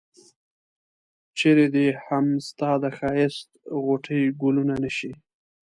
چرې دي هم ستا د ښایست غوټۍ ګلونه نه شي.